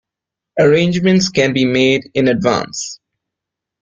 Arrangements can be made in advance.